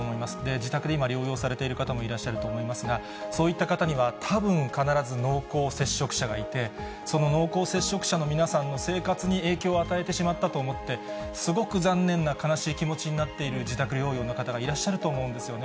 自宅で今、療養されている方もいらっしゃると思いますが、たぶん、必ず濃厚接触者がいて、その濃厚接触者の皆さんの生活に影響を与えてしまったと思って、すごく残念な悲しい気持ちになっている自宅療養の方がいらっしゃると思うんですよね。